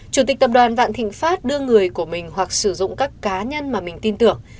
chủ tịch tập đoàn vạn thịnh pháp đưa người của mình hoặc sử dụng các cá nhân mà mình tin tưởng